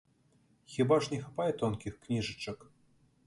Хіба ж не хапае тонкіх кніжачак?